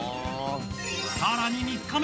さらに３日目。